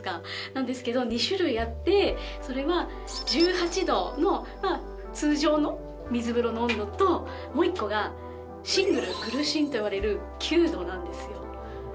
なんですけど２種類あってそれは１８℃の通常の水風呂の温度ともう一個がシングルグルシンといわれる９℃なんですよ。